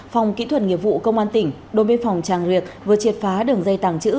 phòng kỹ thuật nhiệm vụ công an tỉnh đồn biên phòng tràng luyệt vừa triệt phá đường dây tàng chữ